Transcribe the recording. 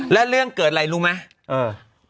แล้วเรื่องเกิดอะไรรู้ไหม